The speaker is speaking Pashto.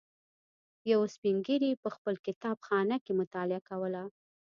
یوه سپین ږیري په خپل کتابخانه کې مطالعه کوله.